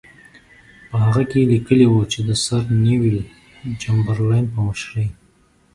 په هغه کې یې لیکلي وو چې د سر نیویل چمبرلین په مشرۍ.